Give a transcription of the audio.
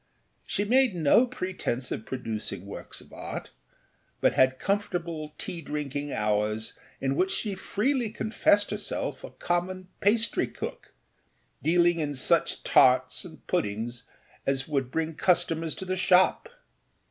She made no pretence of producing works of art, but had comfortable tea drinking hours in which she freely confessed herself a common pastrycook, dealing in such tarts and puddings as would bring customers to the shop.